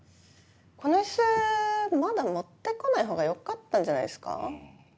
このイスまだ持って来ないほうがよかったんじゃないですか？